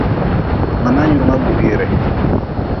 Ma nanyunga buhire.